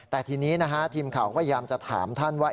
แต่ทีนี้นะฮะทีมข่าวพยายามจะถามท่านว่า